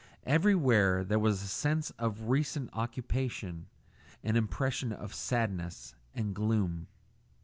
Everywhere there was a sense of recent occupation, an impression of sadness and gloom.